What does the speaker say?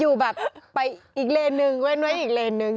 อยู่แบบไปอีกเลนนึงเว้นไว้อีกเลนนึง